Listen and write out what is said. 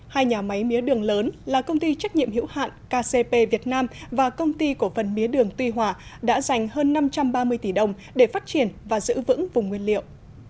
hai nhà máy mía đường lớn là công ty trách nhiệm hiểu hạn kcp việt nam và công ty cổ phần mía đường tuy hòa đã dành hơn năm trăm ba mươi tỷ đồng để phát triển và giữ vững vùng nguyên liệu